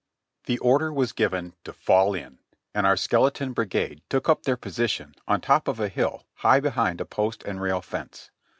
The order was given to "Fall in"' and our skeleton brigade took up their position on top of a high hill behind a post and rail fence.